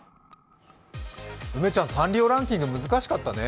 梅ちゃん、サンリオランキング、難しかったね。